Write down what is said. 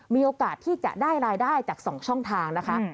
มีโอกาสที่จะได้รายได้จาก๒ช่องทางนะคะ